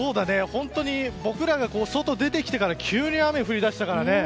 本当に僕らが外に出てきてから急に雨が降りだしたからね。